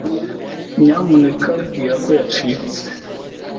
Nyamuneka bwira ko yacitse.